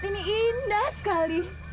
tempat ini indah sekali